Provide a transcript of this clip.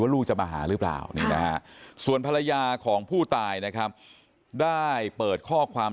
ลูกจะมาหาหรือเปล่าส่วนภรรยาของผู้ตายนะครับได้เปิดข้อความ